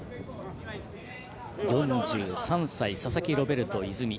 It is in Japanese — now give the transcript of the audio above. ４３歳、佐々木ロベルト泉。